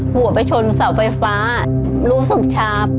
หัวไปชนเสาไฟฟ้ารู้สึกชาป